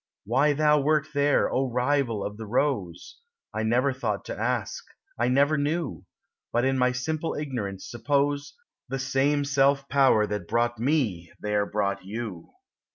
Why thou wert there, O rival of the rose ! I never thought to ask; I never knew, But in my simple ignorance suppose The self same Power that brought me there brought you.